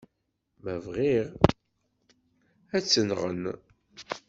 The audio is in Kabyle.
Ma bɣiɣ, ad tt-nɣen.